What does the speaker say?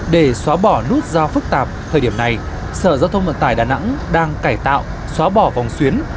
để xóa bỏ nút giao phức tạp thời điểm này sở giao thông vận tải đà nẵng đang cải tạo xóa bỏ vòng xuyến